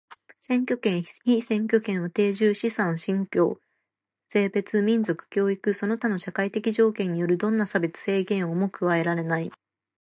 選挙権、被選挙権は定住、資産、信教、性別、民族、教育その他の社会的条件によるどんな差別、制限をも加えられない。